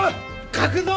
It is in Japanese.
書くぞ！